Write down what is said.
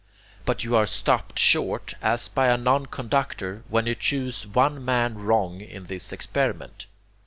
But you are stopped short, as by a non conductor, when you choose one man wrong in this experiment.